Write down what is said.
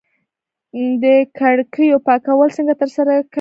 د کړکیو پاکول څنګه ترسره کوی؟ اونۍ کی یوځل